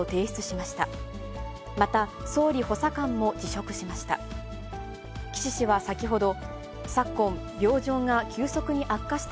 また、総理補佐官も辞職しました。